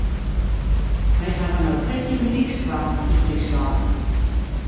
We hawwe no trettjin muzykskoallen yn Fryslân.